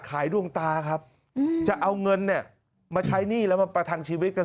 ดวงตาครับจะเอาเงินเนี่ยมาใช้หนี้แล้วมาประทังชีวิตกัน